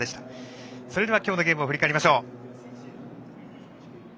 それでは今日のゲームを振り返りましょう。